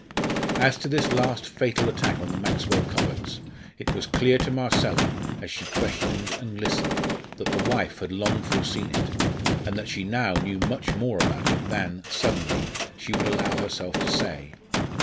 As to this last fatal attack on the Maxwell coverts, it was clear to Marcella, as she questioned and listened, that the wife had long foreseen it, and that she now knew much more about it than suddenly she would allow herself to say.